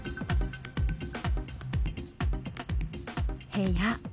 部屋。